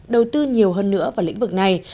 đầu tư nhiều hơn nữa vào lĩnh vực này